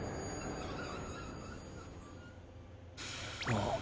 あっ。